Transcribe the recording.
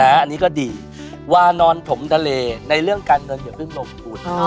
อันนี้ก็ดีวานอนถมทะเลในเรื่องการเงินอย่าเพิ่งลงทุน